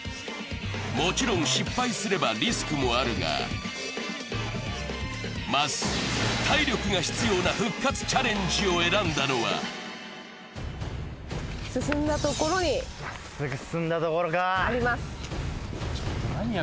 もちろん失敗すればリスクもあるが、まず体力が必要な復活チャレンジを選んだのは進んだところにあります。